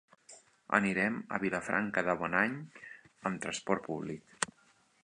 Anirem a Vilafranca de Bonany amb transport públic.